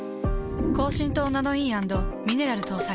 高浸透ナノイー＆ミネラル搭載。